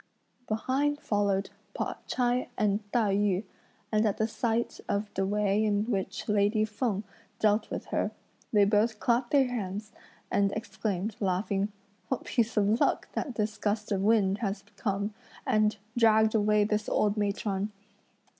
Behind followed Pao ch'ai and Tai yü, and at the sight of the way in which lady Feng dealt with her, they both clapped their hands, and exclaimed, laughing, "What piece of luck that this gust of wind has come, and dragged away this old matron!"